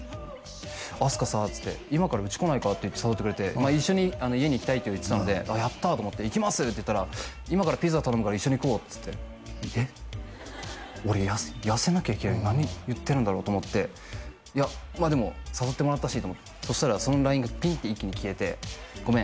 阿須加さっつって今からうち来ないかって誘ってくれて一緒に家に行きたいとは言ってたのでやったーと思って行きますって言ったら今からピザ頼むから一緒に食おうっつってえ俺痩せなきゃいけないのに何言ってるんだろうと思ってでも誘ってもらったしと思ってそしたらそのＬＩＮＥがピッって一気に消えてごめん